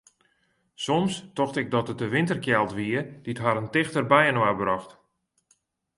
Soms tocht ik dat it de winterkjeld wie dy't harren tichter byinoar brocht.